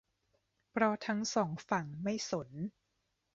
เพราะทั้งสองฝั่งไม่สน